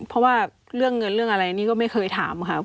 เพราะว่าเรื่องเงินเรื่องอะไรนี่ก็ไม่เคยถามครับ